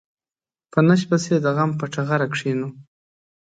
په نشت پسې د غم په ټغره کېنو.